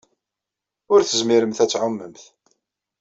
Ur tezmiremt ad tɛumemt.